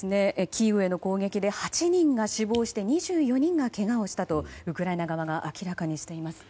キーウへの攻撃で８人が死亡して２４人がけがをしたとウクライナ側が明らかにしています。